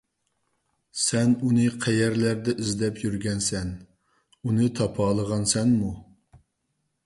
سەن ئۇنى قەيەرلەردە ئىزدەپ يۈرگەنسەن، ئۇنى تاپالىغانسەنمۇ؟